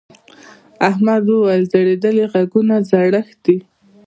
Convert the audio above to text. احمد وويل: ځړېدلي غوږونه زړښت دی.